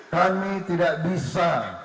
kami tidak bisa